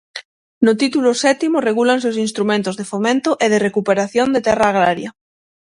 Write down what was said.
No título sétimo regúlanse os instrumentos de fomento e de recuperación de terra agraria.